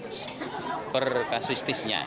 harus lihat perkasistisnya